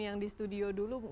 yang di studio dulu